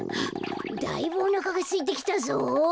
だいぶおなかがすいてきたぞ。